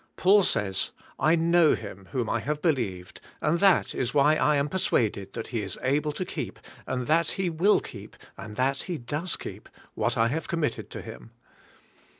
Paul says, ' 'I know Him whom I have believed and that is why I am persuaded that He is able to keep and that He will keep and that He does keep what I have committed to Him."